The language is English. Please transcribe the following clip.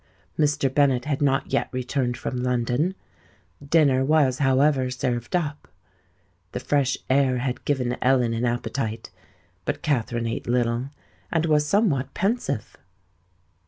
Mr. Bennet had not yet returned from London: dinner was however served up. The fresh air had given Ellen an appetite; but Katherine ate little, and was somewhat pensive.